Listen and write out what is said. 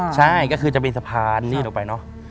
ใช่ก็คือจะมีสะพานนี่ลงไปเนอะ